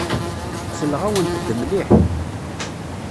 Selleɣ-awent-d mliḥ.